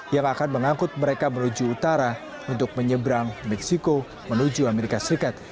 yang akan mengangkut mereka menuju utara untuk menyeberang meksiko menuju amerika serikat